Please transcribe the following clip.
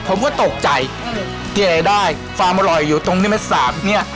ผมก็ตกใจเก๋ได้ความอร่อยอยู่ตรงนิเม็ดสาบเนี้ย